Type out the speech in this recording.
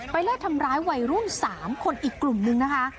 ไล่ทำร้ายวัยรุ่น๓คนอีกกลุ่มนึงนะคะ